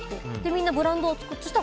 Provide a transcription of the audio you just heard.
みんなブランドを作って。